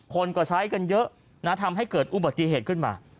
คนก็ใช้กันเยอะนะทำให้เกิดอุบัติเหตุขึ้นมา